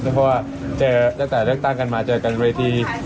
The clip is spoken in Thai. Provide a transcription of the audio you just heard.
เพราะว่าตั้งแต่เรื่องต่างกันมาเจอกันเวลาดี